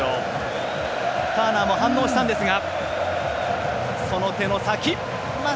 ターナーも反応したんですが、その手の先。